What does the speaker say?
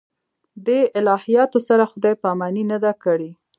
دې الهیاتو سره خدای پاماني نه ده کړې.